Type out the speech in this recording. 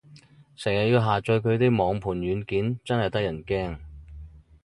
成日要下載佢啲網盤軟件，真係得人驚